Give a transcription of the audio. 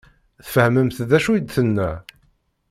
Tfehmemt d acu i d-tenna?